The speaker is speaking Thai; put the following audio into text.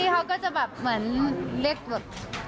เขาก็จะแบบเหมือนเรียกแบบ